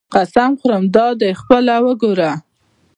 قسم خورم دادی خپله وګوره.